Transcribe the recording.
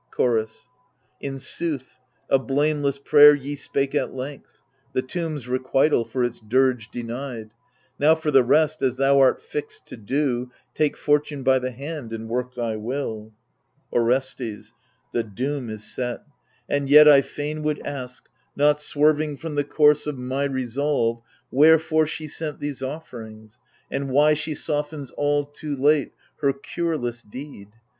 Chorus In sooth, a blameless prayer ye spake at length — The tomb's requital for its dirge denied : Now, for the rest, as thou art fixed to do. Take fortune by the hand and work thy will. Orestes The doom is set ; and yet I fain would ask — Not swerving from the course of my resolve, — Wherefore she sent these offerings, and why She softens all too late her cureless deed